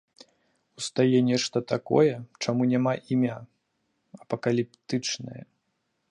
Устае нешта такое, чаму няма імя, апакаліптычнае.